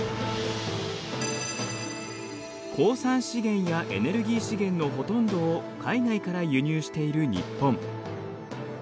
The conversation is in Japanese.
鉱産資源やエネルギー資源のほとんどを海外から輸入している日本。